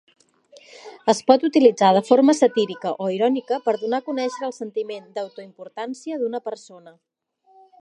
Es pot utilitzar de forma satírica o irònica per donar a conèixer el sentiment d'auto-importància d'una persona.